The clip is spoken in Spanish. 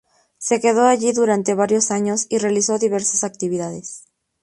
Se quedó allí durante varios años, y realizó diversas actividades.